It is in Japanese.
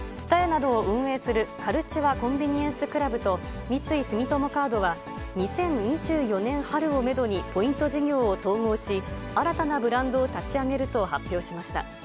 ＴＳＵＴＡＹＡなどを運営する、カルチュア・コンビニエンス・クラブと、三井住友カードは、２０２４年春をメドにポイント事業を統合し、新たなブランドを立ち上げると発表しました。